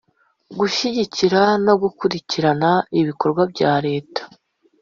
gushyigikira no gukurikirana ibikorwa bya leta